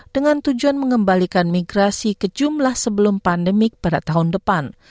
dengan tujuan mengembalikan migrasi ke jumlah sebelum pandemik pada tahun depan